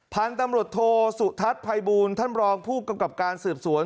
พันธุ์ตำรวจโทสุทัศน์ภัยบูลท่านรองผู้กำกับการสืบสวน